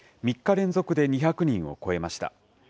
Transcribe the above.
３日連続で２００人を超えました。